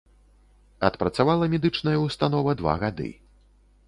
Адпрацавала медычная ўстанова два гады.